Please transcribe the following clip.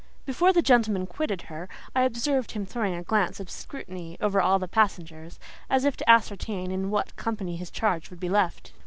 Before the gentleman quitted her, I observed him throwing a glance of scrutiny over all the passengers, as if to ascertain in what company his charge would be left.